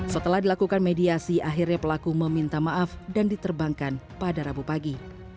setelah dilakukan mediasi akhirnya pelaku meminta maaf dan diterbangkan pada rabu pagi